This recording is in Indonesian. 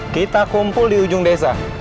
kita kumpul di ujung desa